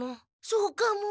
そうかも。